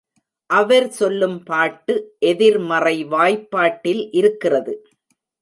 அவர் சொல்லும் பாட்டு எதிர்மறை வாய்பாட்டில் இருக்கிறது.